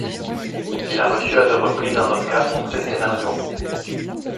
Il a reçu à deux reprises un Oscar pour ses scénarios.